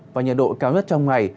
và nhiệt độ cao nhất trong ngày